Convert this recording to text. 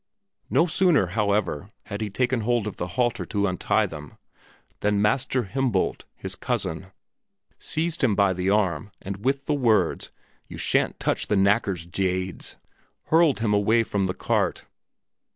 No sooner, however, had he taken hold of the halter to untie them, than Master Himboldt, his cousin, seized him by the arm, and with the words, "You shan't touch the knacker's jades!" hurled him away from the cart.